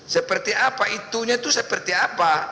seperti apa itunya itu seperti apa